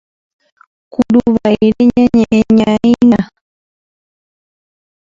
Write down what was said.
Kuruvaíre ñañe'ẽñaína.